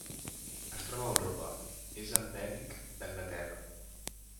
Es troba a Europa: és endèmic d'Anglaterra.